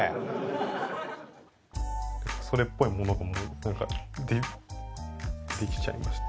それっぽいものができちゃいました。